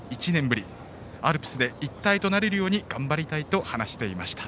アルプスで一体となれるように頑張りたいと話していました。